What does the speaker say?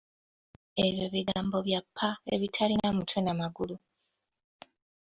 Ebyo bigambo bya ppa ebitalina mutwe n'amagulu.